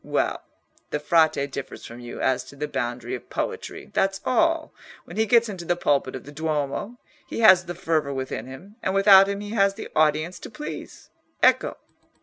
Well, the Frate differs from you as to the boundary of poetry, that's all. When he gets into the pulpit of the Duomo, he has the fervour within him, and without him he has the audience to please. Ecco!"